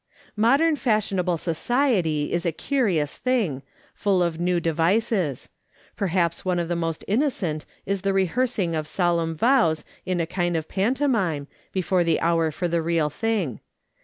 Modern fashionable society is a curious thing, full of new devices ; perhaps one of the most innocent is the rehearsing of solemn vows in a kind of panto mime, before the hour for the real thing.